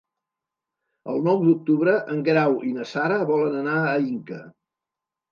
El nou d'octubre en Guerau i na Sara volen anar a Inca.